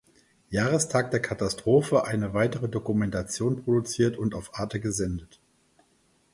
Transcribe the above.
Jahrestag der Katastrophe eine weitere Dokumentation produziert und auf arte gesendet.